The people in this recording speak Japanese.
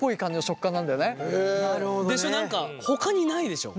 でしょ。